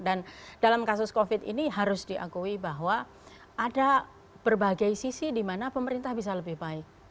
dan dalam kasus covid ini harus diakui bahwa ada berbagai sisi dimana pemerintah bisa lebih baik